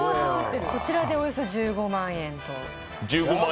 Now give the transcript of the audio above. こちらで、およそ１５万円。